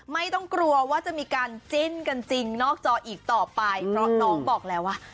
ไม่ต้องกลัวว่าจะมีการจิ้นกันจริงนอกจออีกต่อไปเพราะน้องบอกแล้วว่า